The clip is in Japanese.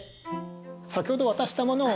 先ほど渡したものを。